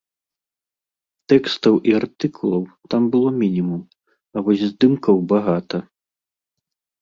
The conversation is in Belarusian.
Тэкстаў і артыкулаў там было мінімум, а вось здымкаў багата.